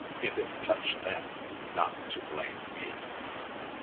If it touch themj not to blame me.